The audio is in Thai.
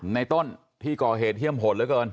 ในต้นที่เกาะเหตุเที่ยมโหดแล้วเกิน